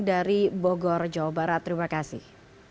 dari bogor jawa barat terima kasih